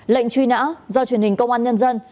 lệnh truy nã do truyền hình công an nhân dân